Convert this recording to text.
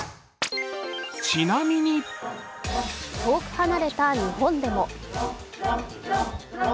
遠く離れた日本でも。